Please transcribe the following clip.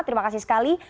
terima kasih sekali